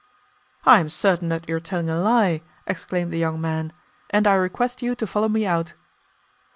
"'I am certain that you are telling a lie,' exclaimed the young man, 'and I request you to follow me out.